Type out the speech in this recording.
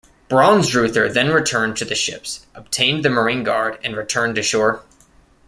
Braunsreuther then returned to the ships, obtained the marine guard, and returned to shore.